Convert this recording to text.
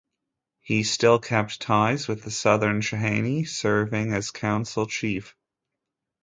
He still kept ties with the Southern Cheyenne, serving as council chief.